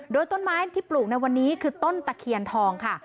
โดยต้นไม้ที่ปลูกในวันนี้คือต้นตะเคียนทองค่ะ